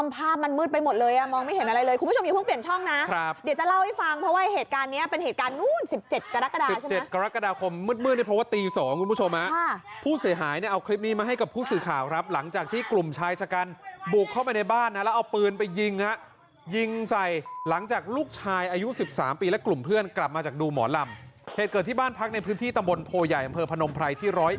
ตัวเด็กต้องถือมีดจะสู้เพราะว่ากลัวตาย